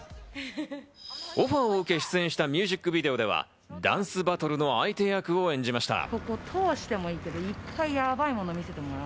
オファーを受け、出演したミュージックビデオではダンスバトルの相手役を演じました。